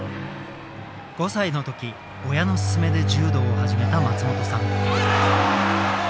５歳の時親の勧めで柔道を始めた松本さん。